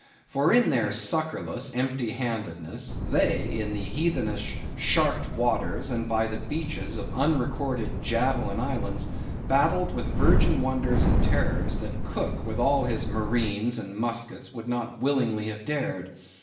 For in their succourless empty handedness, they, in the heathenish sharked waters, and by the beaches of unrecorded, javelin islands, battled with virgin wonders and terrors that Cook with all his marines and muskets would not willingly have dared.